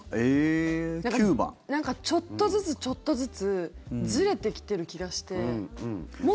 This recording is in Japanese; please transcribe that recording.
ちょっとずつちょっとずつずれてきてる気がして。